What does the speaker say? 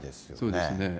そうですね。